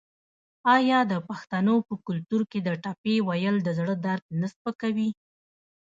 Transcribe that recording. آیا د پښتنو په کلتور کې د ټپې ویل د زړه درد نه سپکوي؟